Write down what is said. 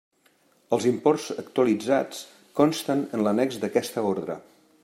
Els imports actualitzats consten en l'annex d'aquesta Ordre.